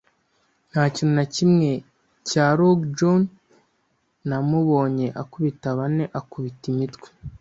nta kintu na kimwe cya Long John! Namubonye akubita bane akubita imitwe